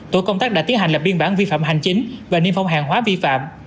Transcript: tổ công tác đã tiến hành lập biên bản vi phạm hành chính và niêm phong hàng hóa vi phạm